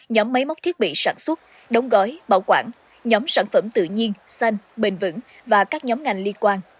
nhóm máy móc thiết bị sản xuất đóng gói bảo quản nhóm sản phẩm tự nhiên xanh bền vững và các nhóm ngành liên quan